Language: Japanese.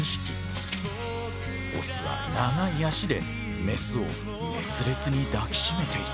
オスは長い脚でメスを熱烈に抱きしめていた。